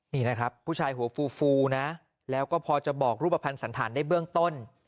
นี่นะครับผู้ชายหัวฟูฟูนะแล้วก็พอจะบอกรูปภัณฑ์สันธารได้เบื้องต้น